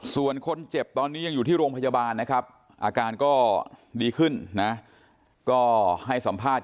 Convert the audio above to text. ส่วนคนเจ็บตอนนี้ยังอยู่ที่โรงพยาบาลนะครับอาการก็ดีขึ้นนะก็ให้สัมภาษณ์